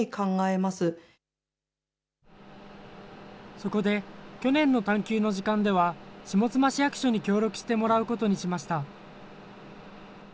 そこで去年の探究の時間では、下妻市役所に協力してもらうことにしました。